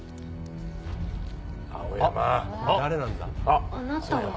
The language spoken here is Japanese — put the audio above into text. あなたは？